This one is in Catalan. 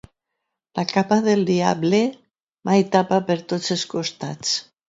La capa del diable mai tapa per tots els costats.